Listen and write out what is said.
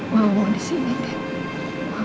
mau mau di sini deh